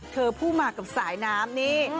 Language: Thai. ผู้มากับสายน้ำนี่